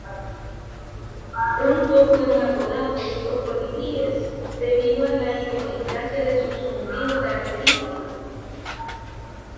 Pronto fueron apodados "los colibríes", debido a la idiosincrasia de su zumbido característico.